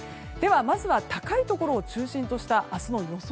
まずは高いところを中心とした明日の予想